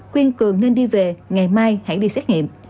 khuyên cường nên đi về ngày mai hãy đi xét nghiệm